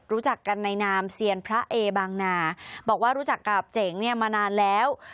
รู้จักกันในนามเซียนพระเอบางนาบอกว่ารู้จักกับเจ๋งเนี่ยมานานแล้ว